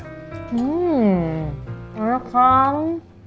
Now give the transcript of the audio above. hmm enak kan